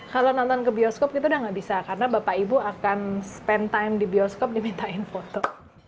kalau nonton ke bioskop kita udah gak bisa karena bapak ibu akan spend time di bioskop dimintain foto